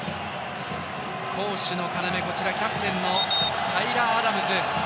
攻守の要、キャプテンのタイラー・アダムズ。